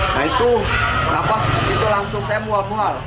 nah itu nafas itu langsung saya mual mual